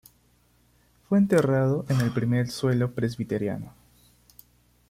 Fue enterrado en el "Primer Suelo Presbiteriano".